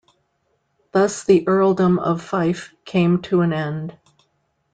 Thus the earldom of Fife came to an end.